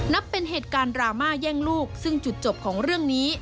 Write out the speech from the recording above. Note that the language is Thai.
นับเป็นเหตุการณ์ดราม่าแย่งลูกซึ่งจุดจบของเรื่องนี้